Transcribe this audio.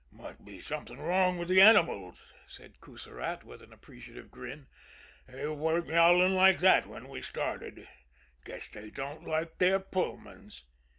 "Must be something wrong with the animals," said Coussirat, with an appreciative grin. "They weren't yowling like that when we started guess they don't like their Pullmans."